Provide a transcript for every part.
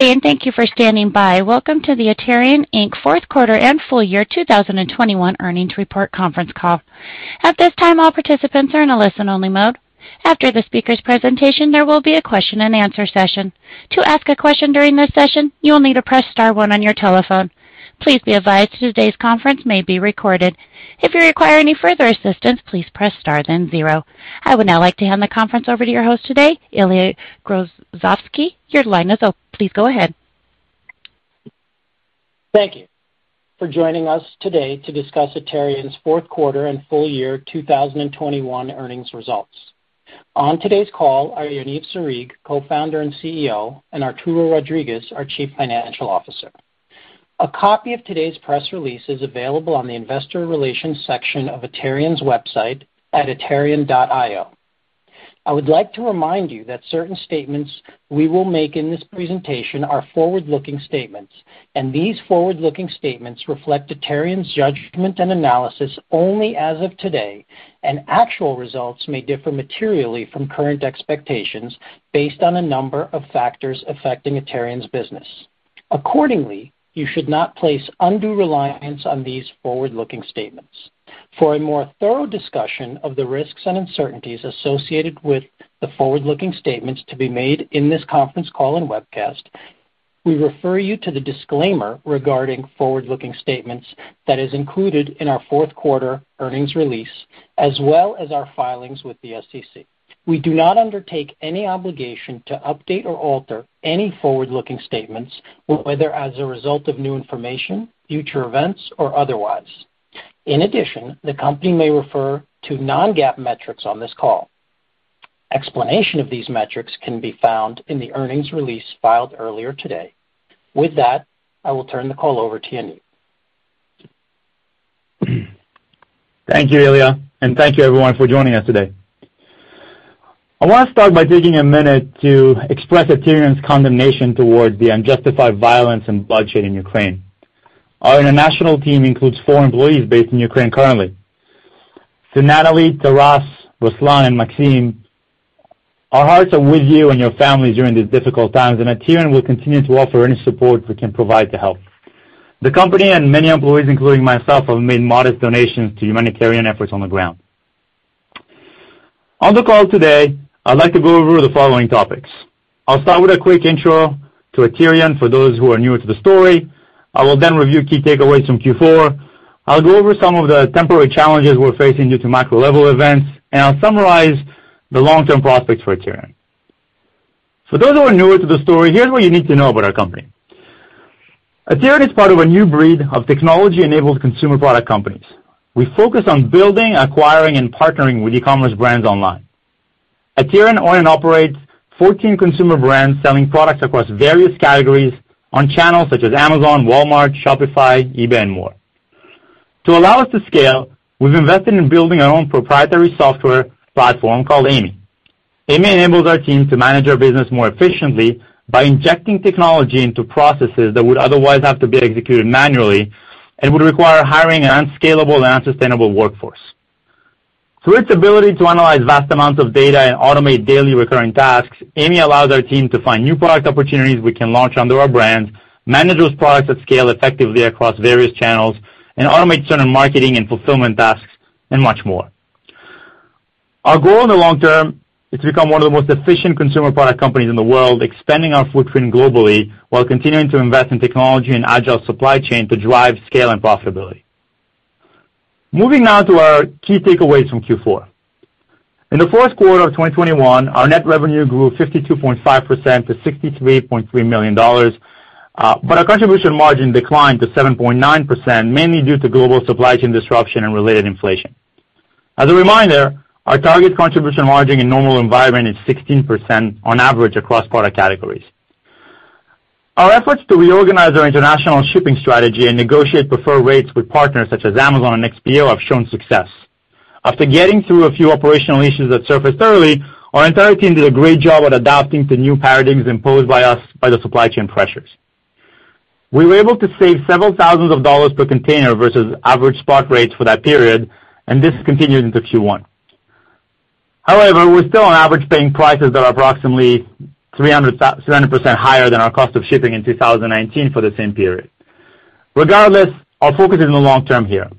Thank you for standing by. Welcome to the Aterian, Inc. Q4 and full year 2021 earnings report conference call. At this time, all participants are in a listen-only mode. After the speaker's presentation, there will be a question and answer session. To ask a question during this session, you will need to press star one on your telephone. Please be advised today's conference may be recorded. If you require any further assistance, please press star then zero. I would now like to hand the conference over to your host today, Ilya Grozovsky. Your line is open. Please go ahead. Thank you for joining us today to discuss Aterian's Q4 and full year 2021 earnings results. On today's call are Yaniv Sarig, Co-Founder and CEO, and Arturo Rodriguez, our Chief Financial Officer. A copy of today's press release is available on the investor relations section of Aterian's website at aterian.io. I would like to remind you that certain statements we will make in this presentation are forward-looking statements, and these forward-looking statements reflect Aterian's judgment and analysis only as of today, and actual results may differ materially from current expectations based on a number of factors affecting Aterian's business. Accordingly, you should not place undue reliance on these forward-looking statements. For a more thorough discussion of the risks and uncertainties associated with the forward-looking statements to be made in this conference call and webcast, we refer you to the disclaimer regarding forward-looking statements that is included in our Q4 earnings release, as well as our filings with the SEC. We do not undertake any obligation to update or alter any forward-looking statements, whether as a result of new information, future events or otherwise. In addition, the company may refer to non-GAAP metrics on this call. Explanation of these metrics can be found in the earnings release filed earlier today. With that, I will turn the call over to Yaniv. Thank you, Ilya, and thank you everyone for joining us today. I want to start by taking a minute to express Aterian's condemnation towards the unjustified violence and bloodshed in Ukraine. Our international team includes four employees based in Ukraine currently. To Natalie, Taras, Ruslan, and Maxim, our hearts are with you and your family during these difficult times, and Aterian will continue to offer any support we can provide to help. The company and many employees, including myself, have made modest donations to humanitarian efforts on the ground. On the call today, I'd like to go over the following topics. I'll start with a quick intro to Aterian for those who are newer to the story. I will then review key takeaways from Q4. I'll go over some of the temporary challenges we're facing due to macro-level events, and I'll summarize the long-term prospects for Aterian. For those who are newer to the story, here's what you need to know about our company. Aterian is part of a new breed of technology-enabled consumer product companies. We focus on building, acquiring, and partnering with e-commerce brands online. Aterian owns and operates 14 consumer brands selling products across various categories on channels such as Amazon, Walmart, Shopify, eBay, and more. To allow us to scale, we've invested in building our own proprietary software platform called AIMEE. AIMEE enables our team to manage our business more efficiently by injecting technology into processes that would otherwise have to be executed manually and would require hiring an unscalable and unsustainable workforce. Through its ability to analyze vast amounts of data and automate daily recurring tasks, AIMEE allows our team to find new product opportunities we can launch under our brand, manage those products at scale effectively across various channels, and automate certain marketing and fulfillment tasks, and much more. Our goal in the long term is to become one of the most efficient consumer product companies in the world, expanding our footprint globally while continuing to invest in technology and agile supply chain to drive scale and profitability. Moving now to our key takeaways from Q4. In the Q4 of 2021, our net revenue grew 52.5% to $63.3 million, but our contribution margin declined to 7.9%, mainly due to global supply chain disruption and related inflation. As a reminder, our target contribution margin in normal environment is 16% on average across product categories. Our efforts to reorganize our international shipping strategy and negotiate preferred rates with partners such as Amazon and XPO have shown success. After getting through a few operational issues that surfaced early, our entire team did a great job at adapting to new paradigms imposed by us by the supply chain pressures. We were able to save several thousand dollars per container versus average spot rates for that period, and this continued into Q1. However, we're still on average paying prices that are approximately 300% higher than our cost of shipping in 2019 for the same period. Regardless, our focus is in the long term here.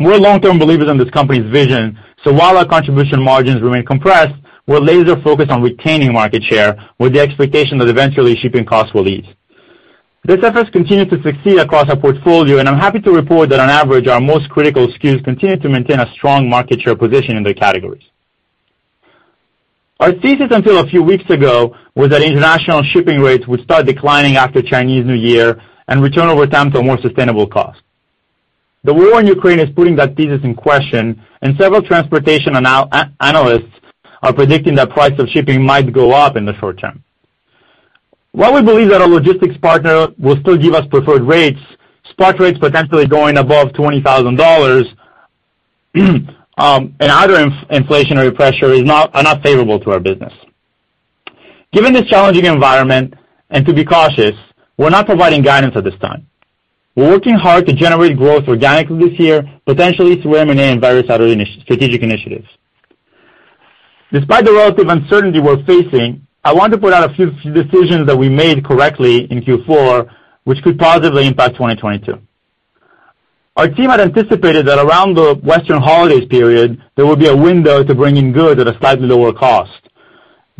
We're long-term believers in this company's vision, so while our contribution margins remain compressed, we're laser focused on retaining market share with the expectation that eventually shipping costs will ease. These efforts continue to succeed across our portfolio, and I'm happy to report that on average, our most critical SKUs continue to maintain a strong market share position in their categories. Our thesis until a few weeks ago was that international shipping rates would start declining after Chinese New Year and return over time to a more sustainable cost. The war in Ukraine is putting that thesis in question, and several transportation analysts are predicting that price of shipping might go up in the short term. While we believe that our logistics partner will still give us preferred rates, spot rates potentially going above $20,000, and other inflationary pressures are not favorable to our business. Given this challenging environment and to be cautious, we're not providing guidance at this time. We're working hard to generate growth organically this year, potentially through M&A and various other strategic initiatives. Despite the relative uncertainty we're facing, I want to point out a few decisions that we made correctly in Q4, which could positively impact 2022. Our team had anticipated that around the Western holidays period, there would be a window to bring in goods at a slightly lower cost.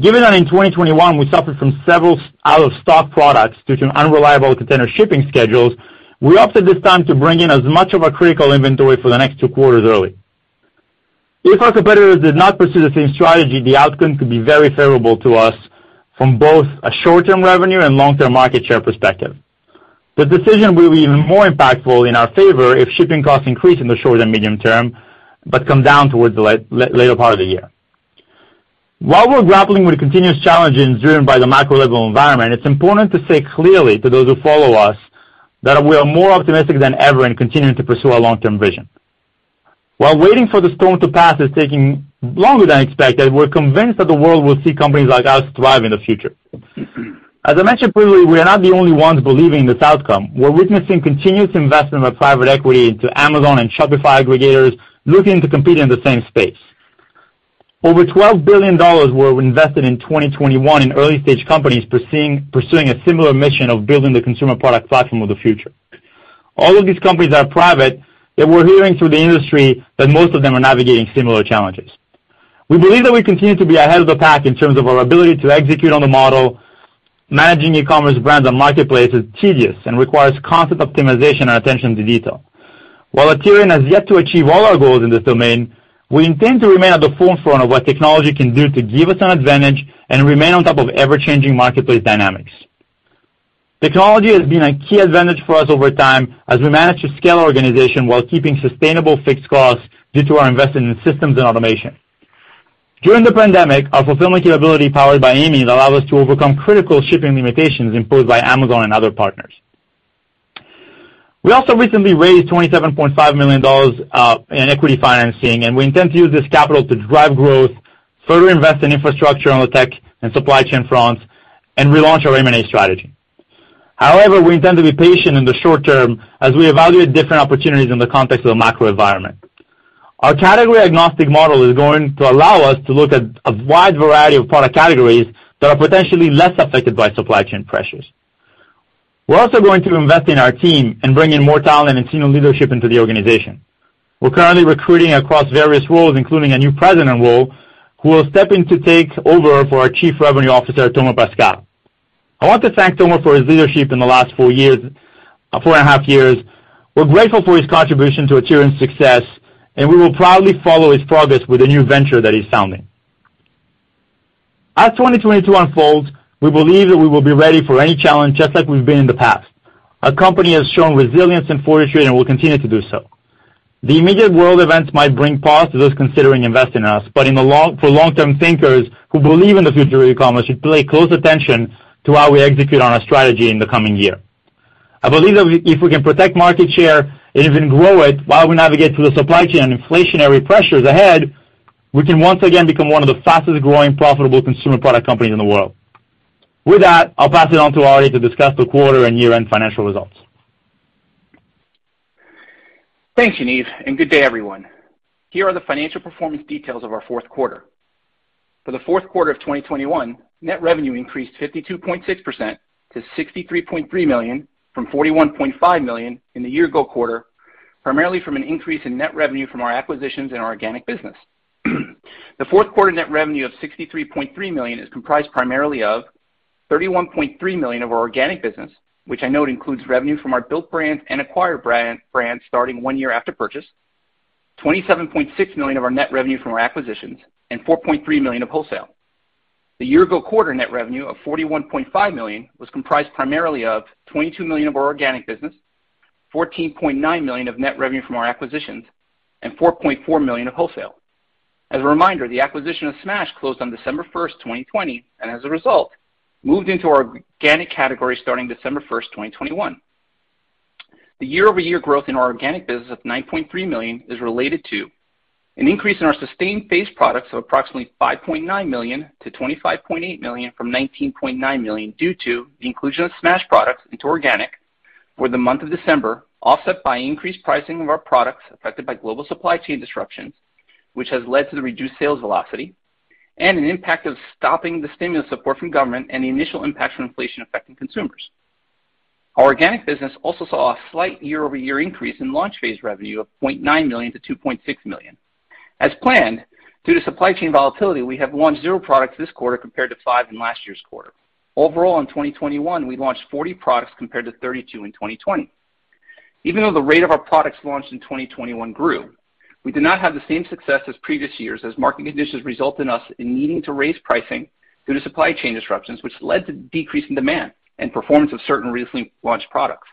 Given that in 2021, we suffered from several out-of-stock products due to unreliable container shipping schedules, we opted this time to bring in as much of our critical inventory for the next two quarters early. If our competitors did not pursue the same strategy, the outcome could be very favorable to us from both a short-term revenue and long-term market share perspective. The decision will be even more impactful in our favor if shipping costs increase in the short and medium term, but come down towards the latter part of the year. While we're grappling with continuous challenges driven by the macro-level environment, it's important to say clearly to those who follow us that we are more optimistic than ever and continuing to pursue our long-term vision. While waiting for the storm to pass is taking longer than expected, we're convinced that the world will see companies like us thrive in the future. As I mentioned previously, we are not the only ones believing this outcome. We're witnessing continuous investment by private equity into Amazon and Shopify aggregators looking to compete in the same space. Over $12 billion were invested in 2021 in early-stage companies pursuing a similar mission of building the consumer product platform of the future. All of these companies are private, yet we're hearing through the industry that most of them are navigating similar challenges. We believe that we continue to be ahead of the pack in terms of our ability to execute on the model. Managing e-commerce brands on marketplace is tedious and requires constant optimization and attention to detail. While Aterian has yet to achieve all our goals in this domain, we intend to remain at the forefront of what technology can do to give us an advantage and remain on top of ever-changing marketplace dynamics. Technology has been a key advantage for us over time as we manage to scale our organization while keeping sustainable fixed costs due to our investment in systems and automation. During the pandemic, our fulfillment capability, powered by AIMEE, allowed us to overcome critical shipping limitations imposed by Amazon and other partners. We also recently raised $27.5 million in equity financing, and we intend to use this capital to drive growth, further invest in infrastructure on the tech and supply chain fronts, and relaunch our M&A strategy. However, we intend to be patient in the short term as we evaluate different opportunities in the context of the macro environment. Our category-agnostic model is going to allow us to look at a wide variety of product categories that are potentially less affected by supply chain pressures. We're also going to invest in our team and bring in more talent and senior leadership into the organization. We're currently recruiting across various roles, including a new president role, who will step in to take over for our Chief Revenue Officer, Tomer Pascal. I want to thank Tomer for his leadership in the last four and a half years. We're grateful for his contribution to Aterian's success, and we will proudly follow his progress with a new venture that he's founding. As 2022 unfolds, we believe that we will be ready for any challenge, just like we've been in the past. Our company has shown resilience and fortitude and will continue to do so. The immediate world events might bring pause to those considering investing in us, but for long-term thinkers who believe in the future of e-commerce should pay close attention to how we execute on our strategy in the coming year. I believe that if we can protect market share and even grow it while we navigate through the supply chain and inflationary pressures ahead, we can once again become one of the fastest-growing, profitable consumer product companies in the world. With that, I'll pass it on to Ari to discuss the quarter and year-end financial results. Thank you, Yaniv, and good day, everyone. Here are the financial performance details of our Q4. For the Q4 of 2021, net revenue increased 52.6% to $63.3 million from $41.5 million in the year-ago quarter, primarily from an increase in net revenue from our acquisitions and our organic business. The Q4 net revenue of $63.3 million is comprised primarily of $31.3 million of our organic business, which I note includes revenue from our built brands and acquired brand, brands starting one year after purchase, $27.6 million of our net revenue from our acquisitions, and $4.3 million of wholesale. The year-ago quarter net revenue of $41.5 million was comprised primarily of $22 million of our organic business, $14.9 million of net revenue from our acquisitions, and $4.4 million of wholesale. As a reminder, the acquisition of Smash closed on December 1st, 2020, and as a result, moved into our organic category starting December 1st, 2021. The year-over-year growth in our organic business of $9.3 million is related to an increase in our sustained phase products of approximately $5.9 million-$25.8 million from $19.9 million due to the inclusion of Smash products into organic for the month of December, offset by increased pricing of our products affected by global supply chain disruptions, which has led to the reduced sales velocity and an impact of stopping the stimulus support from government and the initial impact from inflation affecting consumers. Our organic business also saw a slight year-over-year increase in launch phase revenue of $0.9 million-$2.6 million. As planned, due to supply chain volatility, we have launched zero products this quarter compared to five in last year's quarter. Overall, in 2021, we launched 40 products compared to 32 in 2020. Even though the rate of our products launched in 2021 grew, we did not have the same success as previous years as market conditions result in us needing to raise pricing due to supply chain disruptions, which led to decrease in demand and performance of certain recently launched products.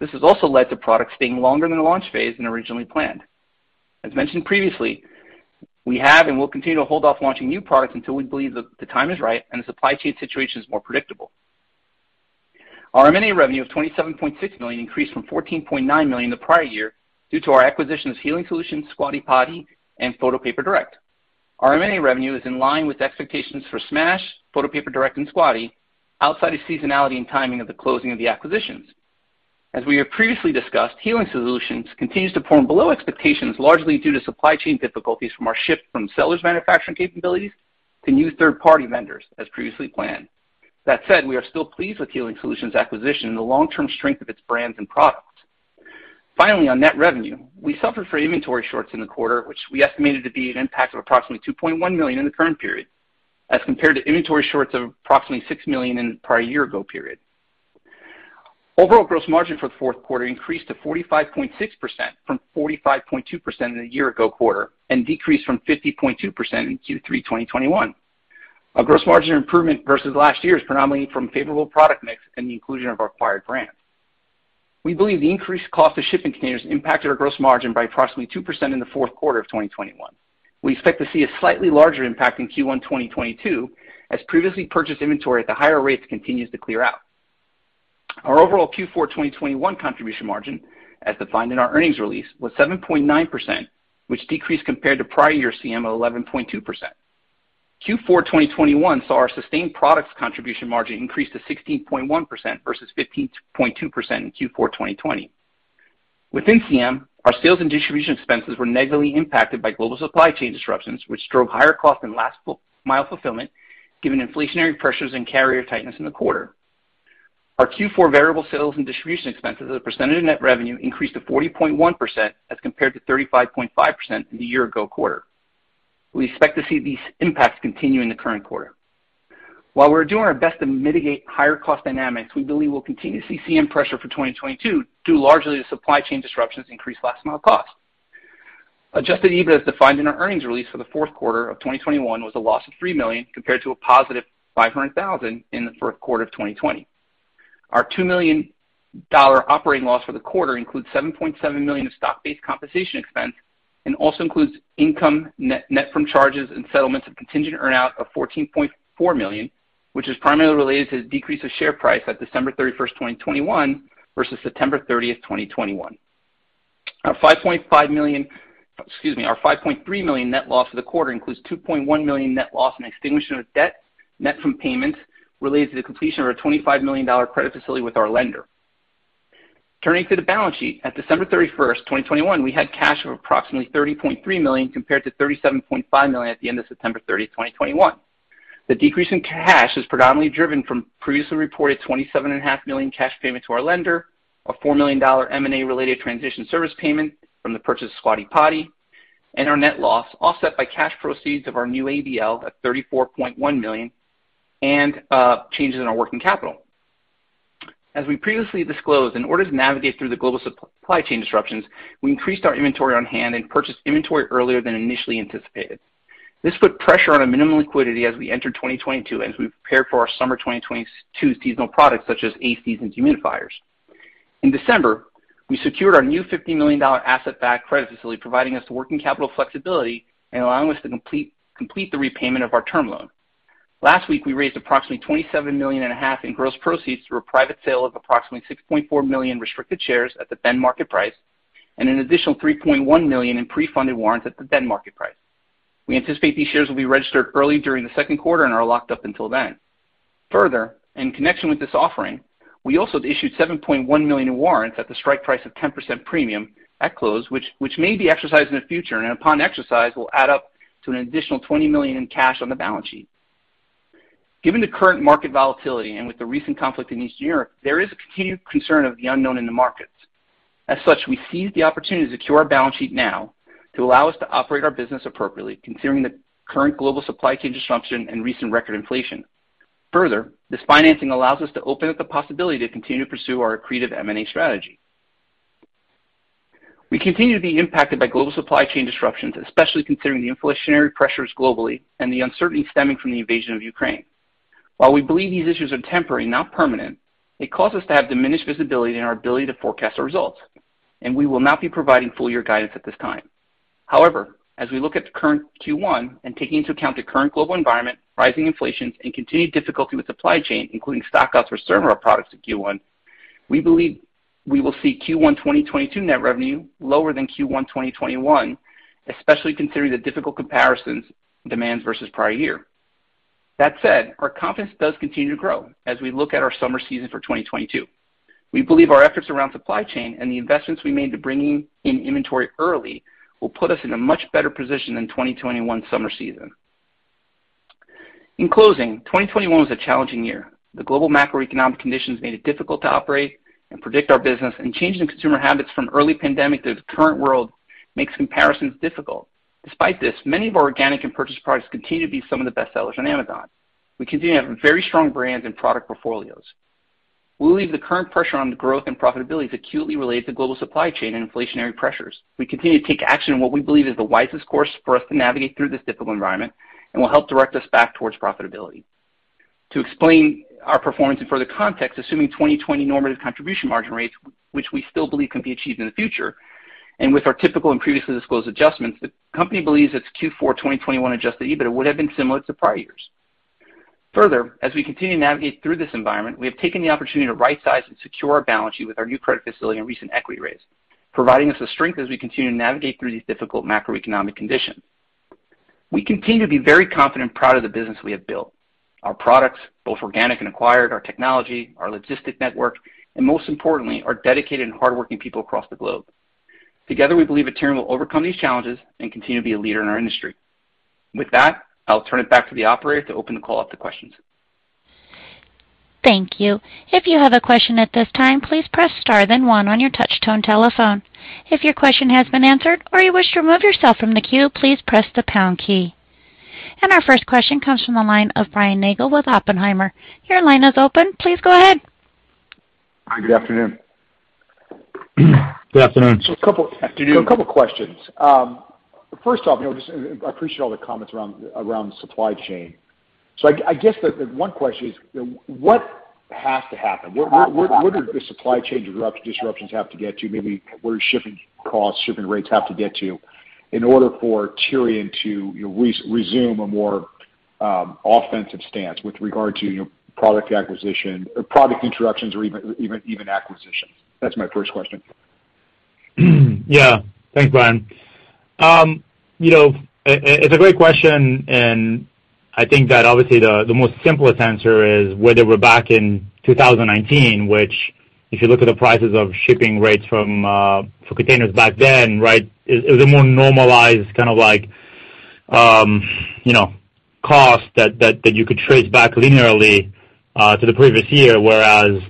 This has also led to products staying longer than the launch phase than originally planned. As mentioned previously, we have and will continue to hold off launching new products until we believe that the time is right and the supply chain situation is more predictable. Our M&A revenue of $27.6 million increased from $14.9 million the prior year due to our acquisitions Healing Solutions, Squatty Potty, and Photo Paper Direct. Our M&A revenue is in line with expectations for Smash, Photo Paper Direct, and Squatty outside of seasonality and timing of the closing of the acquisitions. As we have previously discussed, Healing Solutions continues to perform below expectations, largely due to supply chain difficulties from our shift from sellers manufacturing capabilities to new third-party vendors as previously planned. That said, we are still pleased with Healing Solutions acquisition and the long-term strength of its brands and products. Finally, on net revenue, we suffered from inventory shorts in the quarter, which we estimated to be an impact of approximately $2.1 million in the current period, as compared to inventory shorts of approximately $6 million in year-ago period. Overall gross margin for the Q4 increased to 45.6% from 45.2% in a year ago quarter, and decreased from 50.2% in Q3 2021. Our gross margin improvement versus last year is predominantly from favorable product mix and the inclusion of our acquired brands. We believe the increased cost of shipping containers impacted our gross margin by approximately 2% in the Q4 of 2021. We expect to see a slightly larger impact in Q1 2022, as previously purchased inventory at the higher rates continues to clear out. Our overall Q4 2021 contribution margin, as defined in our earnings release, was 7.9%, which decreased compared to prior year CM of 11.2%. Q4 2021 saw our sustained products contribution margin increase to 16.1% versus 15.2% in Q4 2020. Within CM, our sales and distribution expenses were negatively impacted by global supply chain disruptions, which drove higher cost and last mile fulfillment, given inflationary pressures and carrier tightness in the quarter. Our Q4 variable sales and distribution expenses as a percentage of net revenue increased to 40.1% as compared to 35.5% in the year-ago quarter. We expect to see these impacts continue in the current quarter. While we're doing our best to mitigate higher cost dynamics, we believe we'll continue to see CM pressure for 2022, due largely to supply chain disruptions, increased last mile cost. Adjusted EBIT as defined in our earnings release for the Q4 of 2021 was a loss of $3 million compared to a positive $500,000 in the Q4 of 2020. Our $2 million operating loss for the quarter includes $7.7 million of stock-based compensation expense and also includes net income from charges and settlements of contingent earn-out of $14.4 million, which is primarily related to the decrease of share price at December 31st, 2021 versus September 30th, 2021. Our $5.5 million, excuse me, our $5.3 million net loss for the quarter includes $2.1 million net loss on extinguishment of debt from payments related to the completion of our $25 million credit facility with our lender. Turning to the balance sheet, at December 31st, 2021, we had cash of approximately $30.3 million compared to $37.5 million at the end of September 30, 2021. The decrease in cash is predominantly driven from previously reported $27.5 million cash payment to our lender, a $4 million M&A related transition service payment from the purchase of Squatty Potty, and our net loss offset by cash proceeds of our new ABL at $34.1 million and changes in our working capital. As we previously disclosed, in order to navigate through the global supply chain disruptions, we increased our inventory on hand and purchased inventory earlier than initially anticipated. This put pressure on our minimum liquidity as we entered 2022 and as we prepared for our summer 2022 seasonal products, such as A/C and dehumidifiers. In December, we secured our new $50 million asset-backed credit facility, providing us the working capital flexibility and allowing us to complete the repayment of our term loan. Last week, we raised approximately $27.5 million in gross proceeds through a private sale of approximately 6.4 million restricted shares at the then market price, and an additional $3.1 million in pre-funded warrants at the then market price. We anticipate these shares will be registered early during the Q2 and are locked up until then. Further, in connection with this offering, we also issued 7.1 million in warrants at the strike price of 10% premium at close, which may be exercised in the future, and upon exercise, will add up to an additional $20 million in cash on the balance sheet. Given the current market volatility and with the recent conflict in Eastern Europe, there is a continued concern of the unknown in the markets. As such, we seized the opportunity to secure our balance sheet now to allow us to operate our business appropriately, considering the current global supply chain disruption and recent record inflation. Further, this financing allows us to open up the possibility to continue to pursue our accretive M&A strategy. We continue to be impacted by global supply chain disruptions, especially considering the inflationary pressures globally and the uncertainty stemming from the invasion of Ukraine. While we believe these issues are temporary, not permanent, it causes us to have diminished visibility in our ability to forecast our results, and we will not be providing full year guidance at this time. However, as we look at the current Q1 and taking into account the current global environment, rising inflation, and continued difficulty with supply chain, including stockouts for some of our products in Q1, we believe we will see Q1 2022 net revenue lower than Q1 2021, especially considering the difficult comparison demands versus prior year. That said, our confidence does continue to grow as we look at our summer season for 2022. We believe our efforts around supply chain and the investments we made in bringing in inventory early will put us in a much better position than 2021 summer season. In closing, 2021 was a challenging year. The global macroeconomic conditions made it difficult to operate and predict our business, and changes in consumer habits from early pandemic to the current world make comparisons difficult. Despite this, many of our organic and purchased products continue to be some of the best sellers on Amazon. We continue to have very strong brands and product portfolios. We believe the current pressure on the growth and profitability is acutely related to global supply chain and inflationary pressures. We continue to take action in what we believe is the wisest course for us to navigate through this difficult environment and will help direct us back towards profitability. To explain our performance in further context, assuming 2020 normative contribution margin rates, which we still believe can be achieved in the future, and with our typical and previously disclosed adjustments, the company believes its Q4 2021 Adjusted EBIT would have been similar to prior years. Further, as we continue to navigate through this environment, we have taken the opportunity to right-size and secure our balance sheet with our new credit facility and recent equity raise, providing us the strength as we continue to navigate through these difficult macroeconomic conditions. We continue to be very confident and proud of the business we have built, our products, both organic and acquired, our technology, our logistics network, and most importantly, our dedicated and hardworking people across the globe. Together, we believe Aterian will overcome these challenges and continue to be a leader in our industry. With that, I'll turn it back to the operator to open the call up to questions. Thank you. If you have a question at this time, please press star then 1 on your touch tone telephone. If your question has been answered or you wish to remove yourself from the queue, please press the pound key. Our first question comes from the line of Brian Nagel with Oppenheimer. Your line is open. Please go ahead. Hi, good afternoon. Good afternoon. So a couple- Afternoon... a couple of questions. First off, you know, just I appreciate all the comments around supply chain. I guess the one question is, you know, what has to happen? Where did the supply chain disruptions have to get to? Maybe where shipping costs, shipping rates have to get to in order for Aterian to resume a more offensive stance with regard to, you know, product acquisition or product introductions or even acquisitions? That's my first question. Yeah. Thanks, Brian. You know, it's a great question, and I think that obviously the most simplest answer is whether we're back in 2019, which, if you look at the prices of shipping rates from for containers back then, right, it was a more normalized kind of like you know cost that you could trace back linearly to the previous year. Whereas,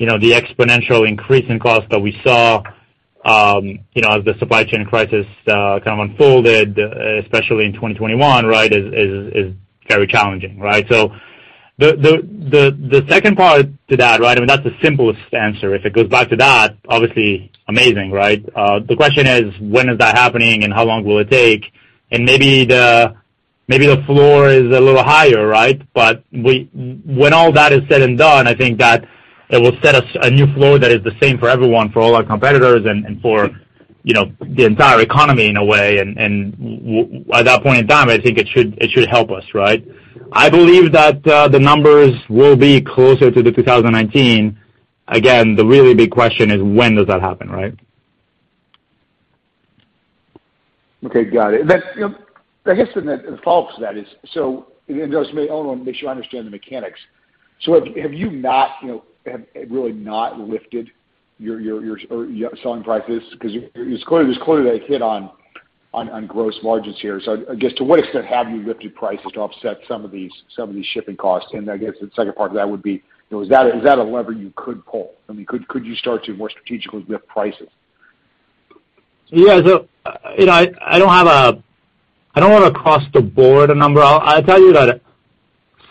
you know, the exponential increase in cost that we saw you know as the supply chain crisis kind of unfolded, especially in 2021, right, is very challenging, right? The second part to that, right, I mean, that's the simplest answer. If it goes back to that, obviously amazing, right? The question is, when is that happening and how long will it take? Maybe the floor is a little higher, right? When all that is said and done, I think that it will set us a new floor that is the same for everyone, for all our competitors and for, you know, the entire economy in a way. While at that point in time, I think it should help us, right? I believe that the numbers will be closer to 2019. Again, the really big question is, when does that happen, right? Okay, got it. That's, you know, I guess the follow-up to that is. And then just me on make sure I understand the mechanics. So have you not you know have really not lifted your selling prices? Because you just quoted a hit on gross margins here. So I guess to what extent have you lifted prices to offset some of these costs? And I guess that second part of that would be you know was that a--is that a lever you could pull? I mean, could you start to more strategically lift prices? So yeah, so you know I don't have a - I don't want to across the Board, a number I tell you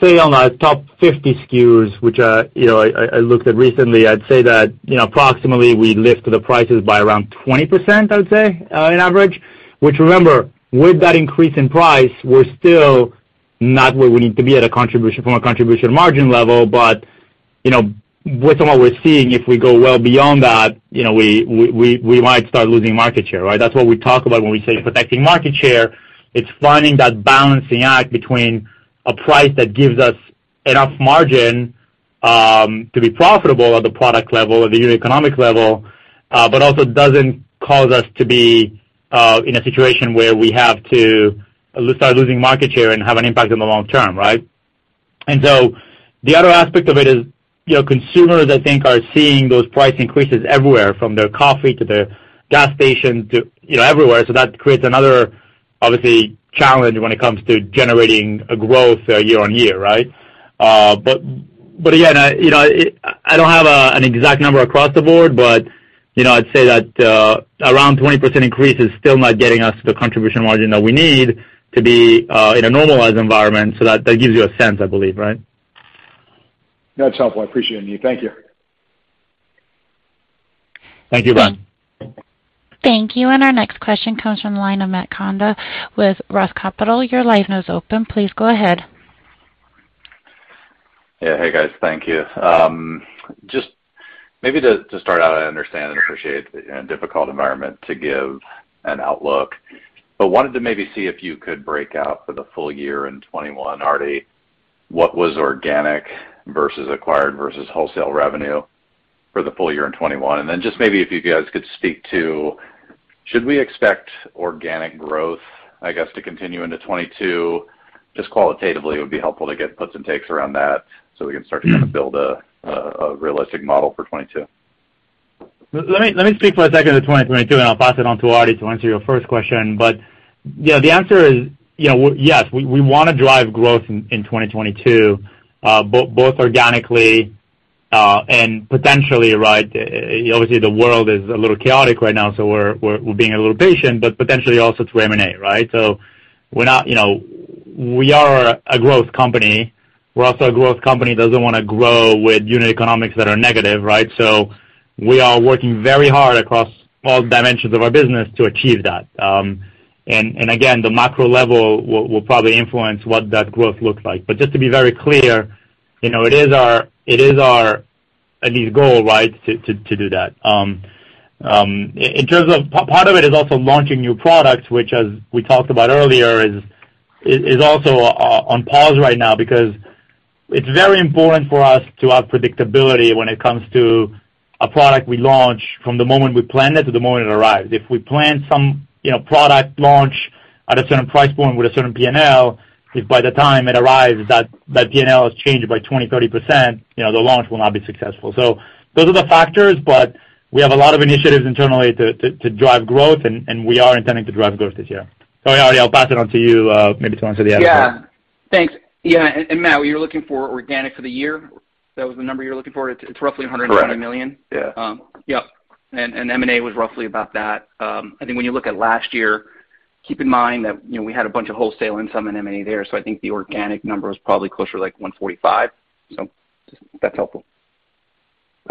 that, say on our top 50 SKUs, which you know I looked at recently, I'd say that you know approximately we lifted the prices by around 20%. I'd say in average, which remember, would that increase in price, we're still not where we need to be at contribution, from our contribution margin level. But you know with and what we're seeing, if we go well beyond that you know we might start losing market share, right? That's what we talked about when we say protecting market share, it's finding that balancing act between a price that gives us enough margin to be profitable at the product level or the unit economic level, but also doesn't cause us to be in a situation where we have to lose, losing market share and have an impact in the long term, right. And so the other aspect of it is you know consumers I think are seeing those price increases everywhere from their coffee to their gas stations to you know everywhere. So that creates another obviously, challenge when it comes to generating a growth year-on-year, right. But again you know, I don't have an exact number across the Board. But you know I'd say that around 20% increase is still not getting us to the contribution margin that we need to be in a normalized environment. So that gives you a sense I believe, right. That's helpful. I appreciate, Yaniv. Thank you. Thank you, Brian. Thank you. Our next question comes from the line of Matt Koranda with ROTH Capital. Your line is open. Please go ahead. Yeah. Hey, guys. Thank you. Just maybe to start out, I understand and appreciate the difficult environment to give an outlook, but wanted to maybe see if you could break out for the full year in 2021, Artie, what was organic versus acquired versus wholesale revenue for the full year in 2021? Just maybe if you guys could speak to should we expect organic growth, I guess, to continue into 2022? Just qualitatively, it would be helpful to get puts and takes around that so we can start to kinda build a realistic model for 2022. Let me speak for a second to 2022, and I'll pass it on to Artie to answer your first question. Yeah, the answer is, you know, yes, we wanna drive growth in 2022, both organically and potentially, right? Obviously, the world is a little chaotic right now, so we're being a little patient, but potentially also through M&A, right? We're not, you know. We are a growth company. We're also a growth company that doesn't wanna grow with unit economics that are negative, right? We are working very hard across all dimensions of our business to achieve that. And again, the macro level will probably influence what that growth looks like. Just to be very clear, you know, it is our, I think, goal, right, to do that. In terms of, part of it is also launching new products, which, as we talked about earlier, is also on pause right now because it's very important for us to have predictability when it comes to a product we launch from the moment we plan it to the moment it arrives. If we plan some, you know, product launch at a certain price point with a certain P&L, if by the time it arrives that P&L has changed by 20%-30%, you know, the launch will not be successful. Those are the factors, but we have a lot of initiatives internally to drive growth, and we are intending to drive growth this year. Sorry, Ari, I'll pass it on to you, maybe to answer the other part. Yeah. Thanks. Yeah, Matt, you're looking for organic for the year? That was the number you're looking for? It's roughly $170 million. Correct. Yeah. M&A was roughly about that. I think when you look at last year, keep in mind that, you know, we had a bunch of wholesale and some M&A there. I think the organic number was probably closer to, like, 145. If that's helpful.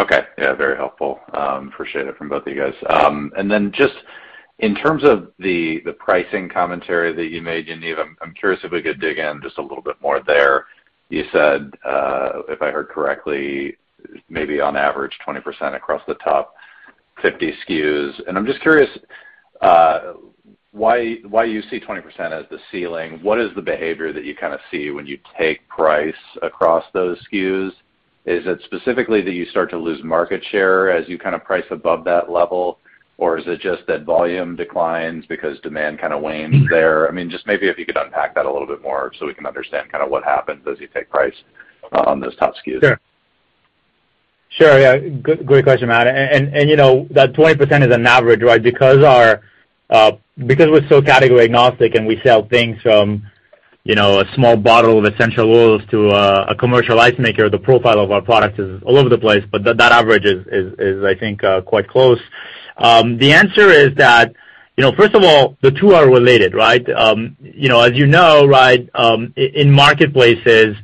Okay. Yeah, very helpful. Appreciate it from both you guys. Just in terms of the pricing commentary that you made, Yaniv, I'm curious if we could dig in just a little bit more there. You said, if I heard correctly, maybe on average 20% across the top 50 SKUs. I'm just curious why you see 20% as the ceiling? What is the behavior that you kinda see when you take price across those SKUs? Is it specifically that you start to lose market share as you kinda price above that level? Or is it just that volume declines because demand kinda wanes there? I mean, just maybe if you could unpack that a little bit more so we can understand kinda what happens as you take price on those top SKUs. Sure, yeah. Good, great question, Matt. You know, that 20% is an average, right? Because we're so category agnostic, and we sell things from, you know, a small bottle of essential oils to a commercial ice maker, the profile of our products is all over the place, but that average is, I think, quite close. The answer is that, you know, first of all, the two are related, right? You know, as you know, right, in marketplaces,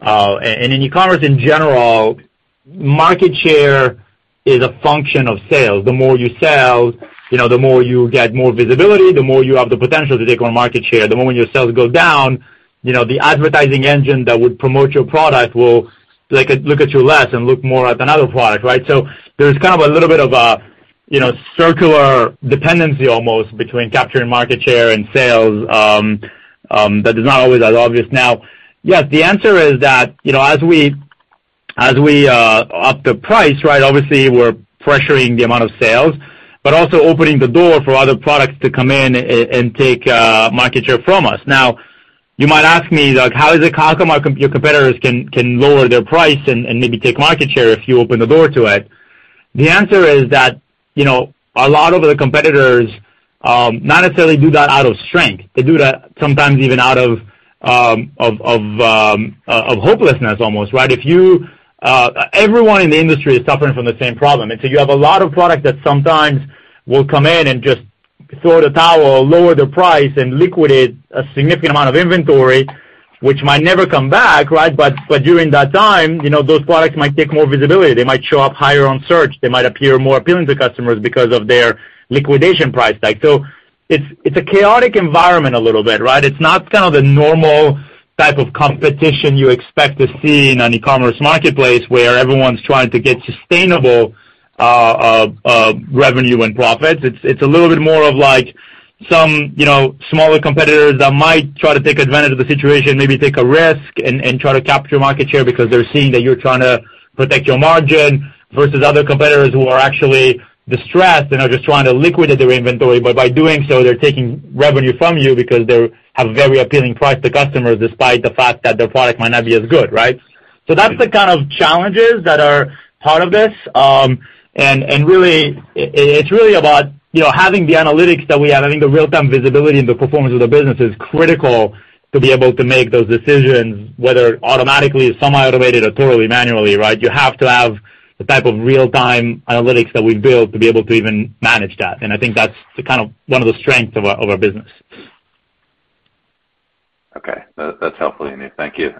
and in e-commerce in general, market share is a function of sales. The more you sell, you know, the more you get more visibility, the more you have the potential to take on market share. The moment your sales go down, you know, the advertising engine that would promote your product will look at you less and look more at another product, right? There's kind of a little bit of a, you know, circular dependency almost between capturing market share and sales that is not always as obvious. Now, yes, the answer is that, you know, as we up the price, right, obviously we're pressuring the amount of sales, but also opening the door for other products to come in and take market share from us. Now, you might ask me, like, how come your competitors can lower their price and maybe take market share if you open the door to it? The answer is that, you know, a lot of the competitors not necessarily do that out of strength. They do that sometimes even out of hopelessness almost, right? Everyone in the industry is suffering from the same problem. You have a lot of product that sometimes will come in and just throw in the towel, lower their price, and liquidate a significant amount of inventory, which might never come back, right? But during that time, you know, those products might take more visibility. They might show up higher on search. They might appear more appealing to customers because of their liquidation price tag. So it's a chaotic environment a little bit, right? It's not kind of the normal type of competition you expect to see in an e-commerce marketplace where everyone's trying to get sustainable revenue and profits. It's a little bit more of, like, some, you know, smaller competitors that might try to take advantage of the situation, maybe take a risk and try to capture market share because they're seeing that you're trying to protect your margin versus other competitors who are actually distressed and are just trying to liquidate their inventory. By doing so, they're taking revenue from you because they have a very appealing price to customers despite the fact that their product might not be as good, right? That's the kind of challenges that are part of this. Really, it's really about, you know, having the analytics that we have. I think the real-time visibility into the performance of the business is critical to be able to make those decisions, whether automatically, semi-automated or totally manually, right? You have to have the type of real-time analytics that we build to be able to even manage that. I think that's the kind of one of the strengths of our business. Okay. That's helpful, Yaniv. Thank you.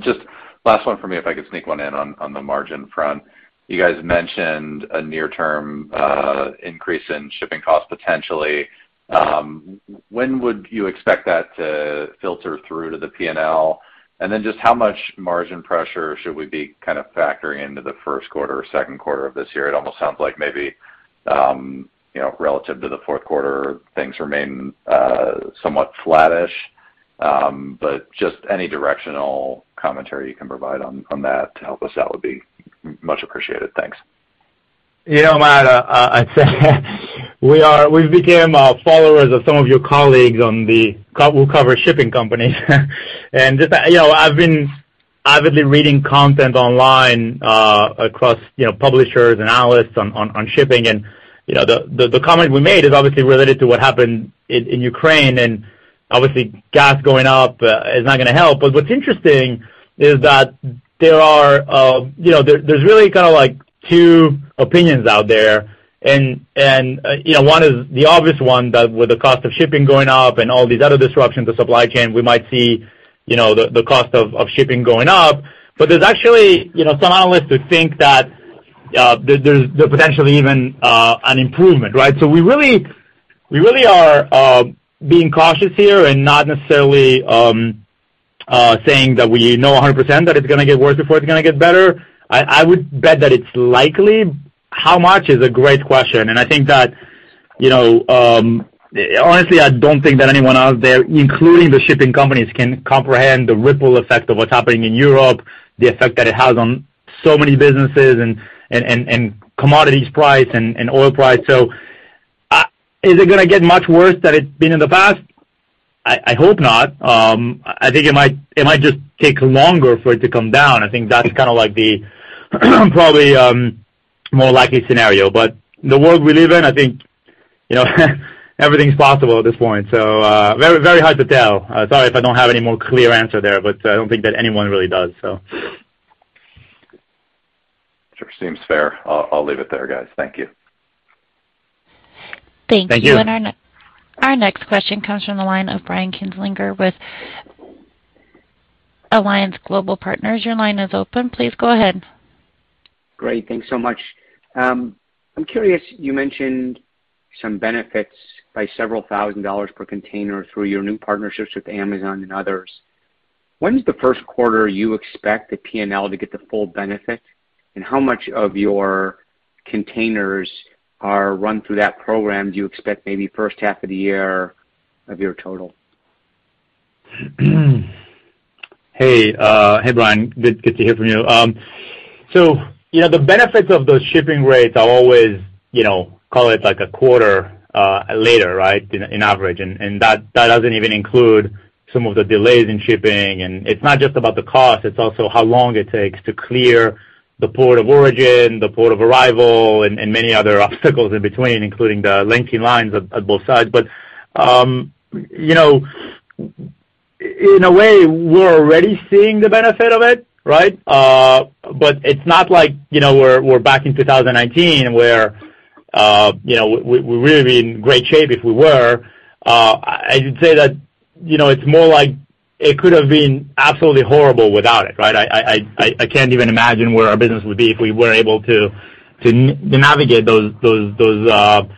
Just last one for me, if I could sneak one in on the margin front. You guys mentioned a near-term increase in shipping costs, potentially. When would you expect that to filter through to the P&L? Just how much margin pressure should we be kind of factoring into the Q1 or Q2 of this year? It almost sounds like maybe you know, relative to the Q4, things remain somewhat flattish. Just any directional commentary you can provide on that to help us out would be much appreciated. Thanks. You know, Matt, I'd say we became followers of some of your colleagues who cover shipping companies. You know, I've been avidly reading content online across you know, publishers and analysts on shipping. You know, the comment we made is obviously related to what happened in Ukraine, and obviously gas going up is not gonna help. But what's interesting is that there are you know, really kinda like two opinions out there. You know, one is the obvious one that with the cost of shipping going up and all these other disruptions to supply chain, we might see you know, the cost of shipping going up. But there's actually you know, some analysts who think that there's potentially even an improvement, right? We really are being cautious here and not necessarily saying that we know 100% that it's gonna get worse before it's gonna get better. I would bet that it's likely. How much is a great question. I think that you know, honestly, I don't think that anyone out there, including the shipping companies, can comprehend the ripple effect of what's happening in Europe, the effect that it has on so many businesses and commodities price and oil price. Is it gonna get much worse than it's been in the past? I hope not. I think it might just take longer for it to come down. I think that's kind of like the probably more likely scenario. The world we live in, I think, you know, everything's possible at this point, so, very hard to tell. Sorry if I don't have any more clear answer there, but I don't think that anyone really does, so. Sure, seems fair. I'll leave it there, guys. Thank you. Thank you. Thank you. Our next question comes from the line of Brian Kinstlinger with Alliance Global Partners. Your line is open. Please go ahead. Great. Thanks so much. I'm curious, you mentioned some benefits by several thousand dollars per container through your new partnerships with Amazon and others. When is the Q1 you expect the P&L to get the full benefit, and how much of your containers are run through that program do you expect maybe first half of the year of your total? Hey, Brian. Good to hear from you. So, you know, the benefits of those shipping rates are always, you know, call it like a quarter later, right, in average. That doesn't even include some of the delays in shipping. It's not just about the cost, it's also how long it takes to clear the port of origin, the port of arrival, and many other obstacles in between, including the lengthy lines at both sides. You know, in a way, we're already seeing the benefit of it, right? It's not like, you know, we're back in 2019 where, you know, we'd really be in great shape if we were. I'd say that, you know, it's more like it could have been absolutely horrible without it, right? I can't even imagine where our business would be if we weren't able to to navigate that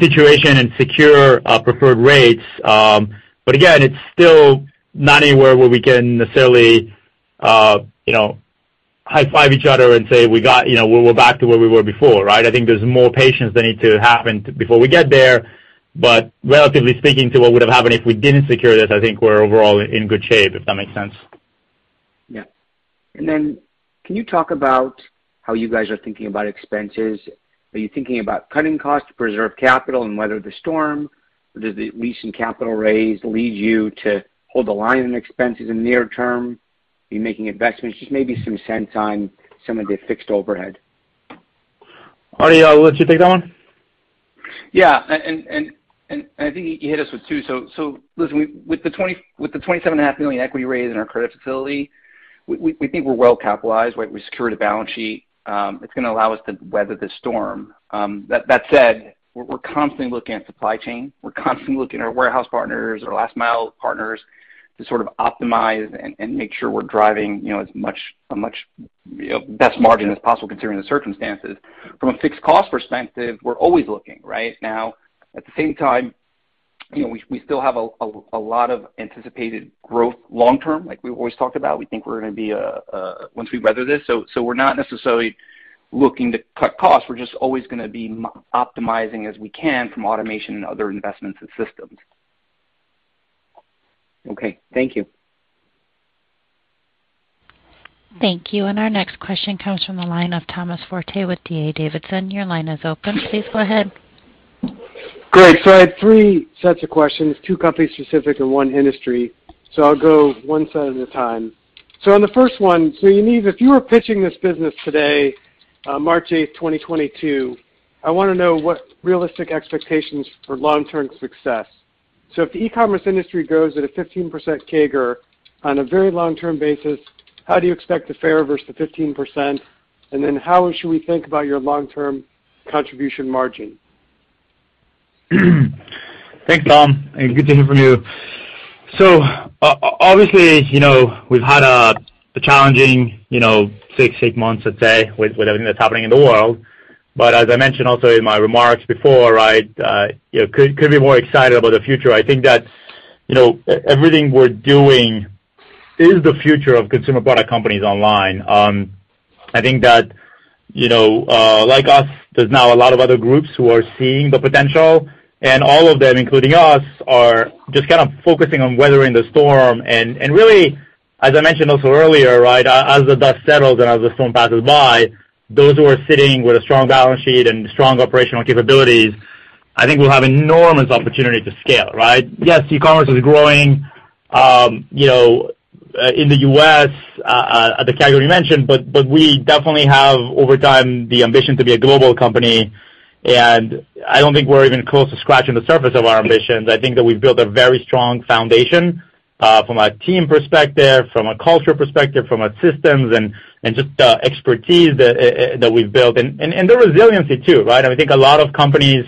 situation and secure preferred rates. Again, it's still not anywhere where we can necessarily you know, high five each other and say you know, we're back to where we were before, right? I think there's more patience that need to happen before we get there. Relatively speaking to what would have happened if we didn't secure this, I think we're overall in good shape, if that makes sense. Yeah. Can you talk about how you guys are thinking about expenses? Are you thinking about cutting costs to preserve capital and weather the storm? Does the recent capital raise lead you to hold the line in expenses in the near term, be making investments? Just maybe some sense on some of the fixed overhead. Ari, I'll let you take that one. I think you hit us with two. Listen, with the $27.5 million equity raise in our credit facility, we think we're well capitalized, right? We secured a balance sheet that's gonna allow us to weather the storm. That said, we're constantly looking at supply chain. We're constantly looking at our warehouse partners, our last mile partners to sort of optimize and make sure we're driving you know a much you know best margin as possible considering the circumstances. From a fixed cost perspective, we're always looking, right? Now, at the same time, you know, we still have a lot of anticipated growth long term, like we've always talked about. We think we're gonna be once we weather this. We're not necessarily looking to cut costs. We're just always gonna be optimizing as we can from automation and other investments in systems. Okay. Thank you. Thank you. Our next question comes from the line of Thomas Forte with D.A. Davidson. Your line is open. Please go ahead. Great. I had three sets of questions, two company specific and one industry. I'll go one set at a time. On the first one, Yaniv, if you were pitching this business today, March 8, 2022, I wanna know what the realistic expectations are for long-term success. If the e-commerce industry grows at a 15% CAGR on a very long-term basis, how do you expect to fare versus the 15%? And then how should we think about your long-term contribution margin? Thanks, Tom, and good to hear from you. Obviously, you know, we've had a challenging, you know, 6-8 months, let's say, with everything that's happening in the world. As I mentioned also in my remarks before, right, you know, I could be more excited about the future. I think that, you know, everything we're doing is the future of consumer product companies online. I think that, you know, like us, there's now a lot of other groups who are seeing the potential, and all of them, including us, are just kind of focusing on weathering the storm. Really, as I mentioned also earlier, right, as the dust settles and as the storm passes by, those who are sitting with a strong balance sheet and strong operational capabilities, I think we'll have enormous opportunity to scale, right? Yes, e-commerce is growing, you know, in the U.S., at the category you mentioned, but we definitely have, over time, the ambition to be a global company, and I don't think we're even close to scratching the surface of our ambitions. I think that we've built a very strong foundation, from a team perspective, from a culture perspective, from a systems and just expertise that we've built. The resiliency too, right? I think a lot of companies,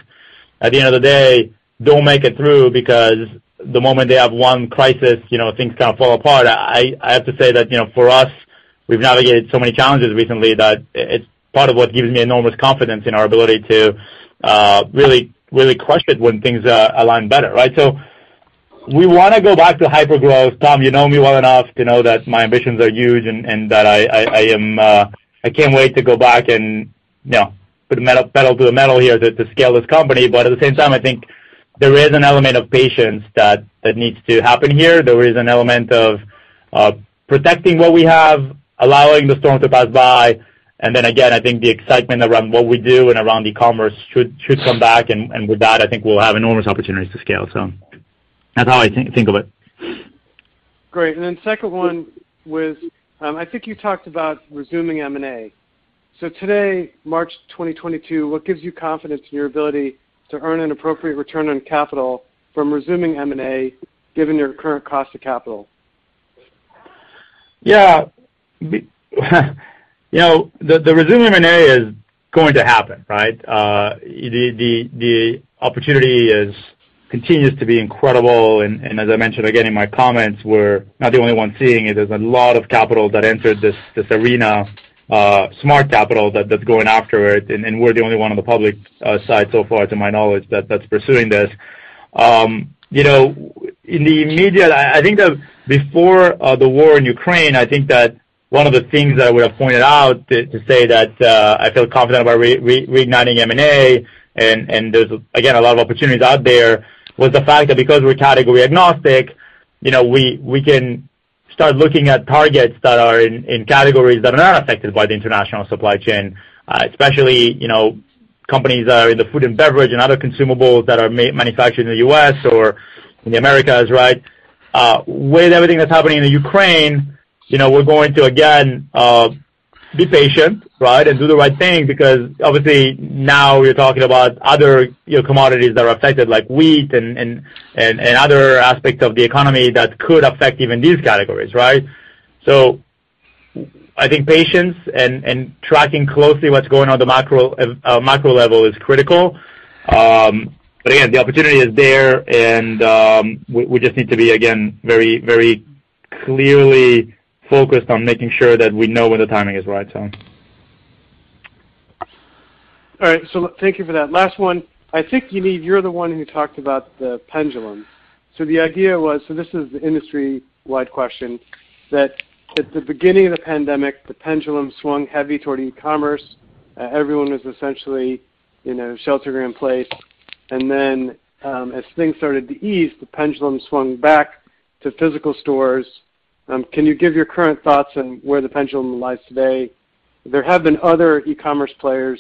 at the end of the day, don't make it through because the moment they have one crisis, you know, things kind of fall apart. I have to say that, you know, for us, we've navigated so many challenges recently that it's part of what gives me enormous confidence in our ability to really crush it when things align better, right? We wanna go back to hypergrowth. Tom, you know me well enough to know that my ambitions are huge and that I am, I can't wait to go back and, you know, put the pedal to the metal here to scale this company. At the same time, I think there is an element of patience that needs to happen here. There is an element of protecting what we have, allowing the storm to pass by. Again, I think the excitement around what we do and around e-commerce should come back, and with that, I think we'll have enormous opportunities to scale. That's how I think of it. Great. Second one was, I think you talked about resuming M&A. Today, March 2022, what gives you confidence in your ability to earn an appropriate return on capital from resuming M&A, given your current cost of capital? You know, the resuming M&A is going to happen, right? The opportunity continues to be incredible. As I mentioned again in my comments, we're not the only one seeing it. There's a lot of capital that entered this arena, smart capital that's going after it, and we're the only one on the public side so far, to my knowledge, that's pursuing this. You know, in the immediate, I think that before the war in Ukraine, I think that one of the things that I would have pointed out to say that I feel confident about reigniting M&A and there's, again, a lot of opportunities out there, was the fact that because we're category agnostic, you know, we can start looking at targets that are in categories that are not affected by the international supply chain, especially, you know, companies that are in the food and beverage and other consumables that are manufactured in the U.S. or in the Americas, right? With everything that's happening in the Ukraine, you know, we're going to again be patient, right? Do the right thing because obviously now we're talking about other, you know, commodities that are affected like wheat and other aspects of the economy that could affect even these categories, right? I think patience and tracking closely what's going on at the macro level is critical. But again, the opportunity is there and we just need to be, again, very clearly focused on making sure that we know when the timing is right. All right. Thank you for that. Last one. I think, Yaniv, you're the one who talked about the pendulum. The idea was, this is the industry-wide question, that at the beginning of the pandemic, the pendulum swung heavy toward e-commerce. Everyone was essentially, you know, shelter in place. Then, as things started to ease, the pendulum swung back to physical stores. Can you give your current thoughts on where the pendulum lies today? There have been other e-commerce players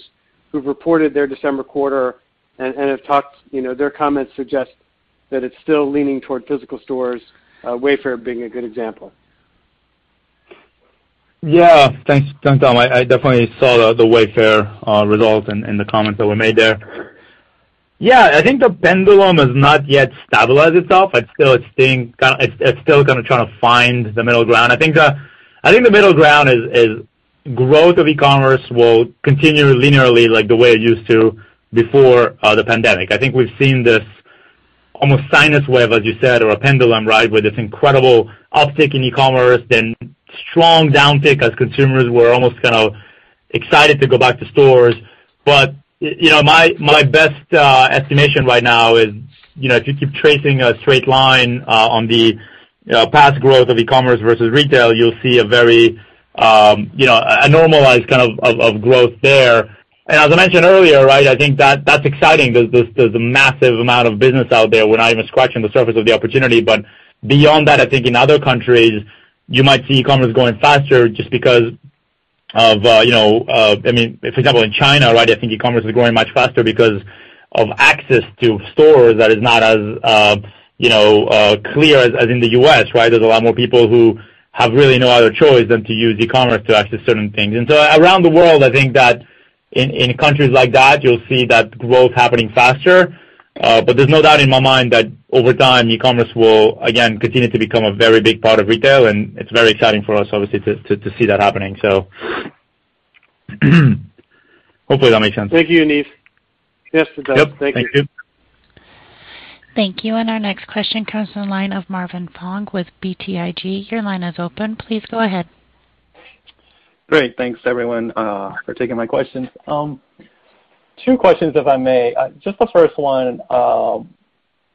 who've reported their December quarter and have talked, you know, their comments suggest that it's still leaning toward physical stores, Wayfair being a good example. Yeah. Thanks, Tom. I definitely saw the Wayfair results and the comments that were made there. Yeah. I think the pendulum has not yet stabilized itself. It's still kinda trying to find the middle ground. I think the middle ground is growth of e-commerce will continue linearly like the way it used to before the pandemic. I think we've seen this almost sine wave, as you said, or a pendulum, right? With this incredible uptick in e-commerce, then strong downtick as consumers were almost kind of excited to go back to stores. You know, my best estimation right now is, you know, if you keep tracing a straight line on the, you know, past growth of e-commerce versus retail, you'll see a very, you know, a normalized kind of of growth there. As I mentioned earlier, right, I think that's exciting. There's a massive amount of business out there. We're not even scratching the surface of the opportunity. Beyond that, I think in other countries, you might see e-commerce growing faster just because of, you know, I mean, for example, in China, right, I think e-commerce is growing much faster because of access to stores that is not as, you know, clear as in the U.S., right? There's a lot more people who have really no other choice than to use e-commerce to access certain things. Around the world, I think that in countries like that, you'll see that growth happening faster. But there's no doubt in my mind that over time, e-commerce will again continue to become a very big part of retail, and it's very exciting for us obviously to see that happening. Hopefully that makes sense. Thank you, Yaniv. Yes, it does. Yep. Thank you. Thank you. Thank you. Our next question comes from the line of Marvin Fong with BTIG. Your line is open. Please go ahead. Great. Thanks everyone for taking my questions. Two questions if I may. Just the first one,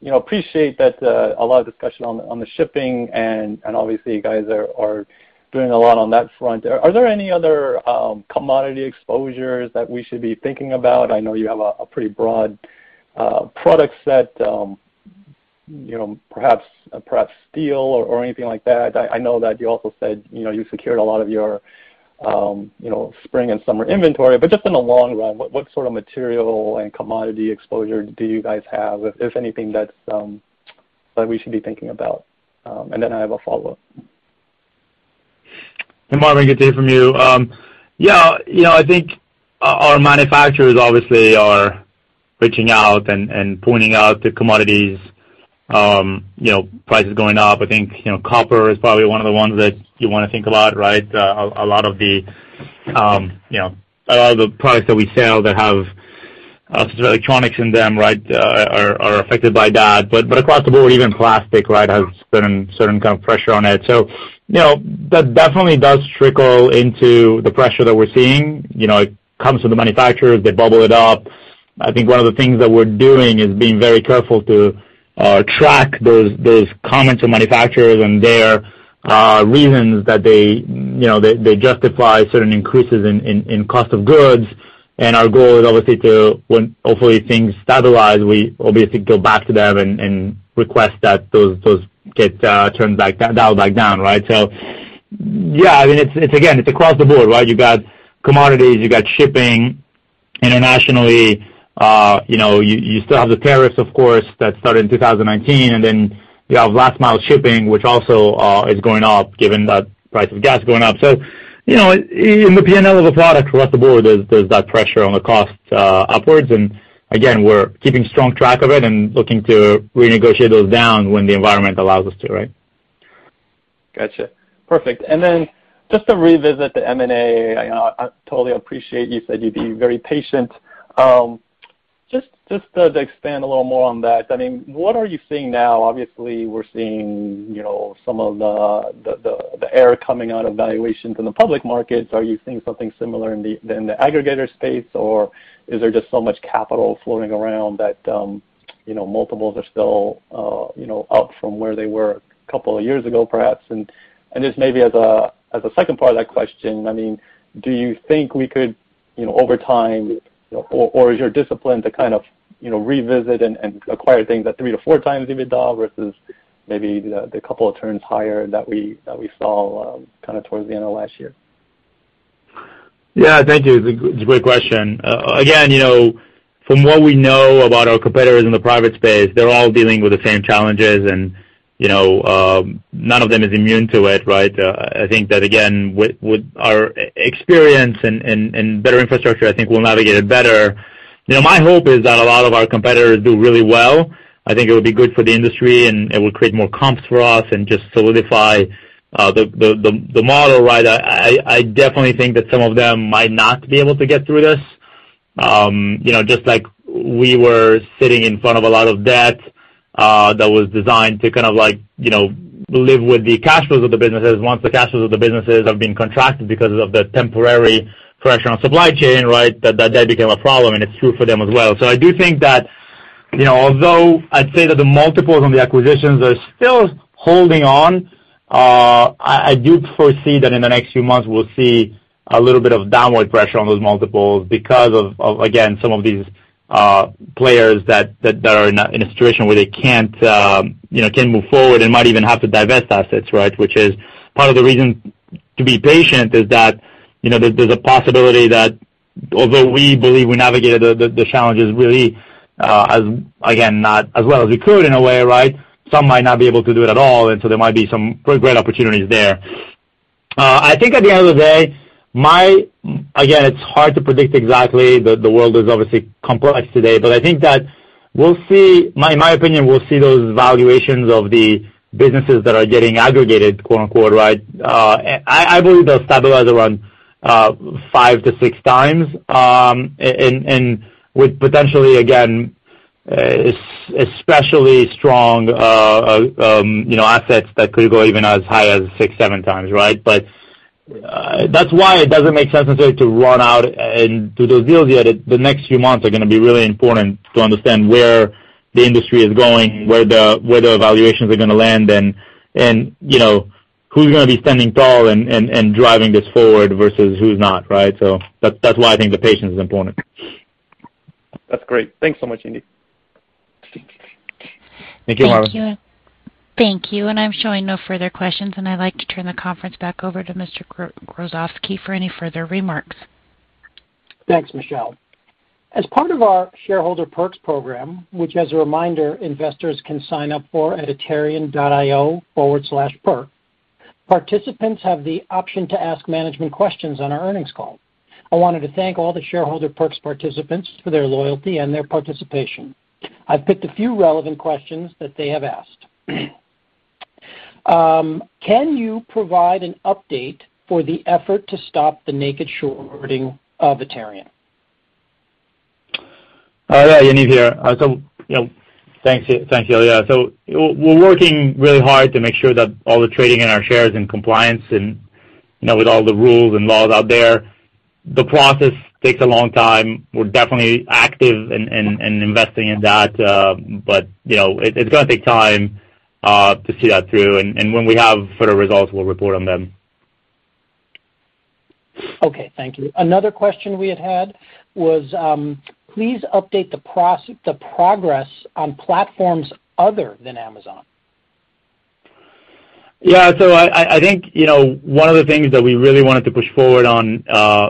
you know, I appreciate that a lot of discussion on the shipping and obviously you guys are doing a lot on that front. Are there any other commodity exposures that we should be thinking about? I know you have a pretty broad product set, you know, perhaps steel or anything like that. I know that you also said, you know, you secured a lot of your spring and summer inventory. Just in the long run, what sort of material and commodity exposure do you guys have, if anything that we should be thinking about? Then I have a follow-up. Hey, Marvin. Good to hear from you. Yeah. You know, I think our manufacturers obviously are reaching out and pointing out the commodities, you know, prices going up. I think, you know, copper is probably one of the ones that you wanna think about, right? A lot of the products that we sell that have sort of electronics in them, right, are affected by that. But across the board, even plastic, right, has certain kind of pressure on it. You know, that definitely does trickle into the pressure that we're seeing. You know, it comes from the manufacturers. They bubble it up. I think one of the things that we're doing is being very careful to track those comments of manufacturers and their reasons that they you know justify certain increases in cost of goods. Our goal is obviously to, when hopefully things stabilize, go back to them and request that those get dialed back down, right? Yeah, I mean, it's again, it's across the board, right? You got commodities, you got shipping internationally. You know, you still have the tariffs of course that started in 2019, and then you have last mile shipping, which also is going up given that price of gas going up. You know, in the P&L of the product across the board, there's that pressure on the cost upwards. Again, we're keeping strong track of it and looking to renegotiate those down when the environment allows us to, right. Gotcha. Perfect. Then just to revisit the M&A, you know, I totally appreciate you said you'd be very patient. Just to expand a little more on that, I mean, what are you seeing now? Obviously we're seeing, you know, some of the air coming out of valuations in the public markets. Are you seeing something similar in the aggregator space, or is there just so much capital floating around that, you know, multiples are still, you know, up from where they were a couple of years ago, perhaps? Just maybe as a second part of that question, I mean, do you think we could, you know, over time or is your discipline to kind of, you know, revisit and acquire things at 3x to 4x EBITDA versus maybe the couple of turns higher that we saw kind of towards the end of last year? Yeah, thank you. It's a great question. Again, you know, from what we know about our competitors in the private space, they're all dealing with the same challenges and, you know, none of them is immune to it, right? I think that, again, with our experience and better infrastructure, I think we'll navigate it better. You know, my hope is that a lot of our competitors do really well. I think it would be good for the industry, and it would create more comps for us and just solidify the model, right? I definitely think that some of them might not be able to get through this. You know, just like we were sitting in front of a lot of debt, that was designed to kind of like, you know, live with the cash flows of the businesses. Once the cash flows of the businesses have been contracted because of the temporary pressure on supply chain, right? That became a problem and it's true for them as well. I do think that, you know, although I'd say that the multiples on the acquisitions are still holding on, I do foresee that in the next few months we'll see a little bit of downward pressure on those multiples because of, again, some of these players that are in a situation where they can't, you know, can't move forward and might even have to divest assets, right? Which is part of the reason to be patient is that there's a possibility that although we believe we navigated the challenges really, as again, not as well as we could in a way, right? Some might not be able to do it at all. There might be some great opportunities there. I think at the end of the day, again, it's hard to predict exactly. The world is obviously complex today, but I think that we'll see my opinion, we'll see those valuations of the businesses that are getting aggregated, quote-unquote, right? I believe they'll stabilize around 5x to 6x. And with potentially, again, especially strong assets that could go even as high as 6x to 7x, right? That's why it doesn't make sense necessarily to run out and do those deals yet. The next few months are gonna be really important to understand where the industry is going, where the valuations are gonna land and you know, who's gonna be standing tall and driving this forward versus who's not, right? That's why I think the patience is important. That's great. Thanks so much, Yaniv. Thank you, Marvin. Thank you. I'm showing no further questions. I'd like to turn the conference back over to Mr. Grozovsky for any further remarks. Thanks, Michelle. As part of our shareholder perks program, which, as a reminder, investors can sign up for at aterian.io/perks. Participants have the option to ask management questions on our earnings call. I wanted to thank all the shareholder perks participants for their loyalty and their participation. I've picked a few relevant questions that they have asked. Can you provide an update for the effort to stop the naked shorting of Aterian? Yaniv here. You know, thanks. Thank you. We're working really hard to make sure that all the trading in our shares and compliance and, you know, with all the rules and laws out there. The process takes a long time. We're definitely active in investing in that. You know, it's gonna take time to see that through. When we have further results, we'll report on them. Okay. Thank you. Another question we had was, please update the progress on platforms other than Amazon. Yeah. I think, you know, one of the things that we really wanted to push forward on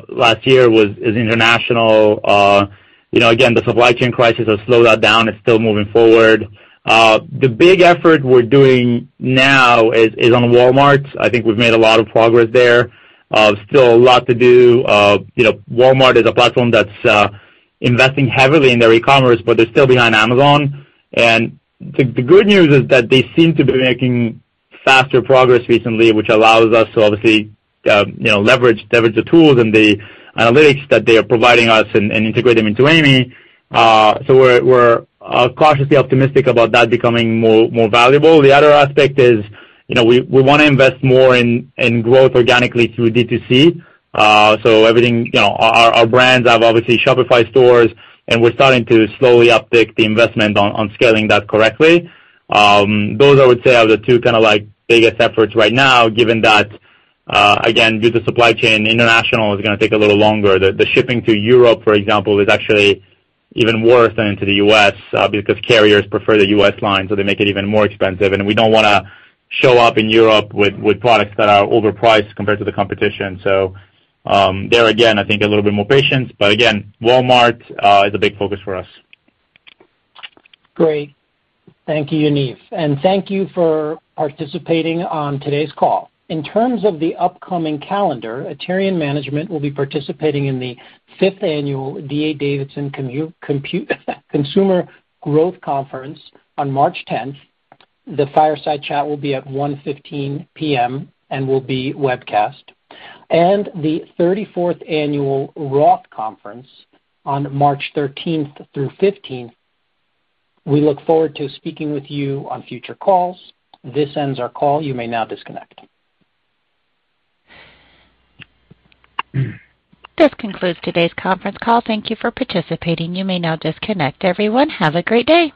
last year is international. You know, again, the supply chain crisis has slowed that down. It's still moving forward. The big effort we're doing now is on Walmart. I think we've made a lot of progress there. Still a lot to do. You know, Walmart is a platform that's investing heavily in their e-commerce, but they're still behind Amazon. The good news is that they seem to be making faster progress recently, which allows us to obviously, you know, leverage the tools and the analytics that they're providing us and integrate them into AIMEE. We're cautiously optimistic about that becoming more valuable. The other aspect is, you know, we wanna invest more in growth organically through D2C. Everything, you know, our brands have obviously Shopify stores, and we're starting to slowly uptick the investment on scaling that correctly. Those I would say are the two kinda like biggest efforts right now given that, again, due to supply chain, international is gonna take a little longer. The shipping to Europe, for example, is actually even worse than to the U.S., because carriers prefer the U.S. line, so they make it even more expensive. We don't wanna show up in Europe with products that are overpriced compared to the competition. There again, I think a little bit more patience, but again, Walmart is a big focus for us. Great. Thank you, Yaniv. Thank you for participating on today's call. In terms of the upcoming calendar, Aterian management will be participating in the fifth annual D.A. Davidson Consumer Growth Conference on March 10th. The fireside chat will be at 1:15 P.M. and will be webcast. The 34th annual ROTH Conference on March 13th through 15th. We look forward to speaking with you on future calls. This ends our call. You may now disconnect. This concludes today's conference call. Thank you for participating. You may now disconnect everyone. Have a great day.